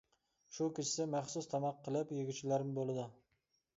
شۇ كېچىسى مەخسۇس تاماق قىلىپ يېگۈچىلەرمۇ بولىدۇ.